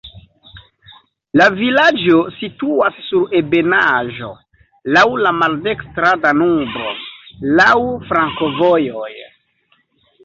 La vilaĝo situas sur ebenaĵo, laŭ la maldekstra Danubo, laŭ flankovojoj.